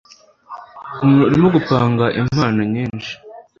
urimo gutanga impano nyinshi